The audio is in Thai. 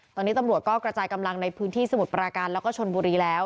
ตอนนี้ตำรวจก็กระจายกำลังในพื้นที่สมุทรปราการแล้วก็ชนบุรีแล้ว